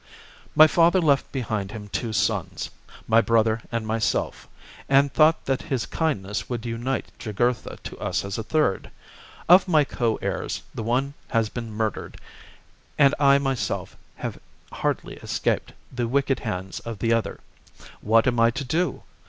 " My father left behind him two sons, my brother and myself, and thought that his kindness would unite Jugurtha to us as a third. Of my co heirs, the one THE JUGURTHINE WAR. 137 has been murdered, and I myself have hardly escaped chap. the wicked hands of the other. What am I to do